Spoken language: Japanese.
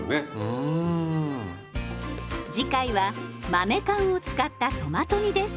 次回は豆缶を使ったトマト煮です。